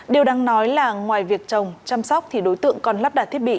điều đáng nói là ngoài việc trồng chăm sóc thì đối tượng còn lắp đặt thiết bị